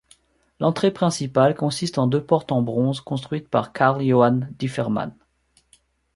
L'entrée principale consiste en deux portes en bronze construites par Carl Johan Dyfverman.